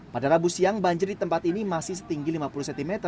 pada rabu siang banjir di tempat ini masih setinggi lima puluh cm